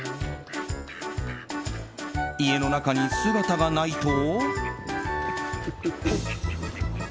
家の中に姿がないと。